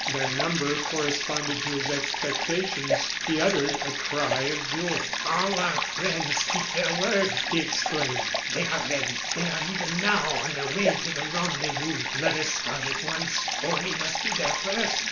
Their number corresponded to his expectations; he uttered a cry of joy. "All our friends keep their word!" he exclaimed. "They are ready; they are even now on their way to the rendezvous. Let us start at once, for we must be there first!"